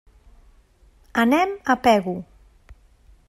Anem a Pego.